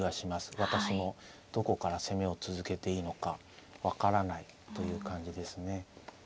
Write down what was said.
私もどこから攻めを続けていいのか分からないという感じですね。